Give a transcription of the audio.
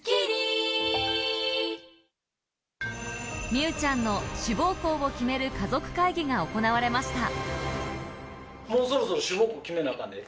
美羽ちゃんの志望校を決める家族会議が行われました。